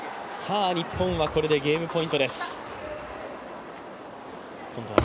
日本はこれでゲームポイント。